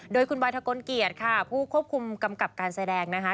โดยคุณบอยทะกลเกียรติค่ะผู้ควบคุมกำกับการแสดงนะคะ